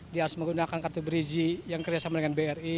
dia harus menggunakan kartu berikutnya